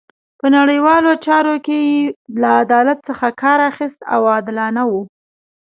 په نړیوالو چارو کې یې له عدالت څخه کار اخیست او عادلانه وو.